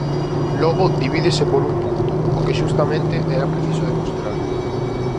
Logo, divídese por un punto; o que, xustamente, era preciso demostrar.